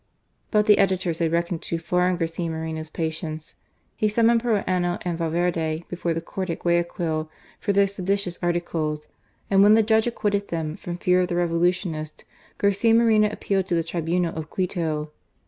But the editors had reckoned too far on Garcia Moreno's patience. He summoned Proano and Valverde before the Court at Guayaquil for their seditious articles, and when the judge acquitted them, from fear of the Revolutionists, Garcia Moreno appealed to the Tribunal of Quito.